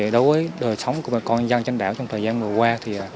đối với đời sống của bài con dân trên đảo trong thời gian vừa qua